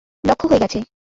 লক্ষ হয়ে গেছে।